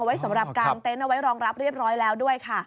ไว้สำหรับกางเต็นต์เอาไว้รองรับเรียบร้อยแล้วด้วยค่ะ